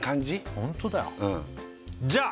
ホントだよじゃ！